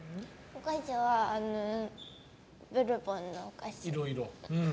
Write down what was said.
お菓子は、ブルボンのお菓子。